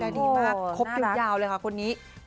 ดีมากครบคิวยาวเลยค่ะคนนี้